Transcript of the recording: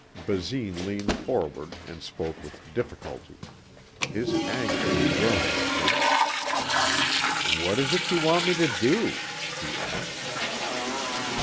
Basine leaned forward and spoke with difficulty. His anger had grown in him. "What is it you want me to do?" he asked.